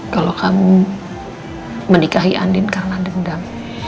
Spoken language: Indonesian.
kalau kamu menikahi andin karena dendam